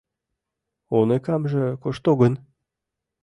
— Уныкамже кушто гын?